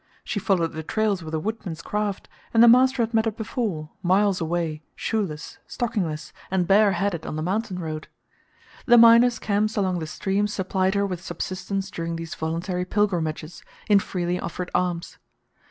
She followed the trails with a woodman's craft, and the master had met her before, miles away, shoeless, stockingless, and bareheaded on the mountain road. The miners' camps along the stream supplied her with subsistence during these voluntary pilgrimages, in freely offered alms.